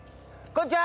こんにちは！